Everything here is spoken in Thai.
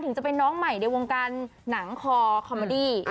ถึงจะเป็นน้องใหม่ในวงการหนังคอคอมเมอดี้